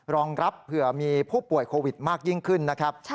รองรับเผื่อมีผู้ป่วยโควิดมากยิ่งขึ้นนะครับ